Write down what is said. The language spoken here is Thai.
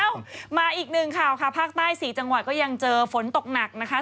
มาอีกหนึ่งข่าวค่ะภาคใต้๔จังหวัดก็ยังเจอฝนตกหนักนะคะ